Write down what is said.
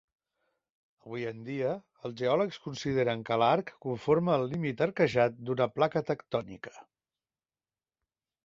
Avui en dia, els geòlegs consideren que l'arc conforma el límit arquejat d'una placa tectònica.